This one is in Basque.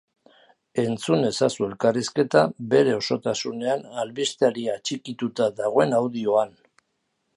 Entzun ezazu elkarrizketa bere osotasunean albisteari atxikituta dagoen audioan.